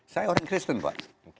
saya orang kristen pak